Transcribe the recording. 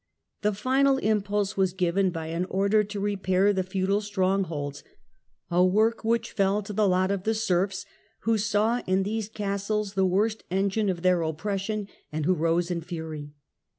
The final impulse was given by an order to repair the feudal strongholds, a work which fell to the lot of the serfs, who saw in these castles the worst engine of their oppression and who rose in fury.